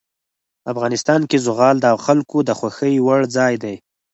افغانستان کې زغال د خلکو د خوښې وړ ځای دی.